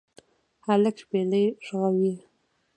هلک شپیلۍ ږغوي